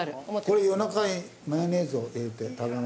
これ夜中にマヨネーズを入れて。